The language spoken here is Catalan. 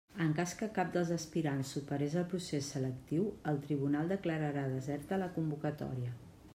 En cas que cap dels aspirants superés el procés selectiu el tribunal declararà deserta la convocatòria.